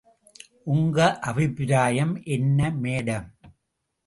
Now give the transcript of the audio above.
உங்க அபிப்ராயம் என்ன மேடம்?